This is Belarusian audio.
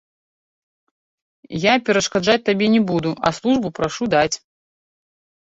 Я перашкаджаць табе не буду, а службу прашу даць.